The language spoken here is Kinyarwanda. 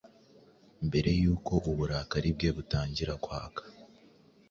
Mbere yuko uburakari bwe butangira kwaka